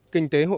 kinh tế hộ dân